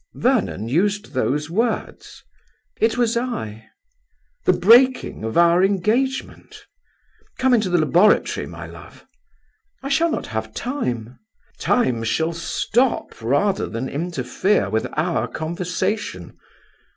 "Vernon used those words?" "It was I." "'The breaking of our engagement!' Come into the laboratory, my love." "I shall not have time." "Time shall stop rather than interfere with our conversation!